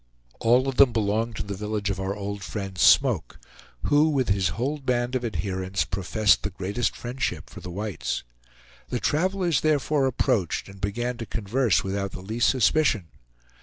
All of them belonged to the village of our old friend Smoke, who, with his whole band of adherents, professed the greatest friendship for the whites. The travelers therefore approached, and began to converse without the least suspicion.